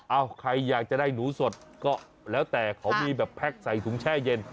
ใครอยากจะได้หนูสดก็แล้วแต่เขามีแบบแพ็คใส่ถุงแช่เย็น